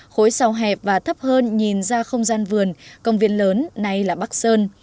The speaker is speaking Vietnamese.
khối sò hẹp và thấp hơn nhìn ra không gian vườn công viên lớn nay là bắc sơn